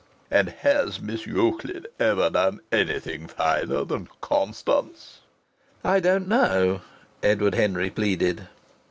"And has Miss Euclid ever done anything finer than Constance?" "I don't know," Edward Henry pleaded.